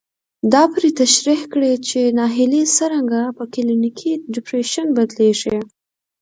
دا پرې تشرېح کړي چې ناهيلي څرنګه په کلينيکي ډېپريشن بدلېږي.